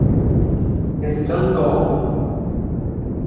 His film Goal!